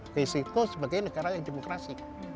risiko sebagai negara demokrasi